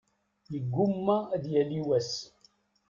Yeggumma ad yali wass.